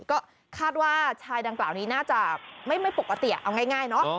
ก็คาดว่าชายดังกล่าวนี้น่าจะไม่ปกติเอาง่ายเนอะ